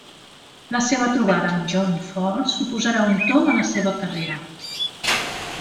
La seva trobada amb John Ford suposarà un tomb a la seva carrera.